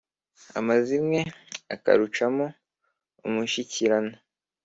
Amazimwe akarucamo umushikirano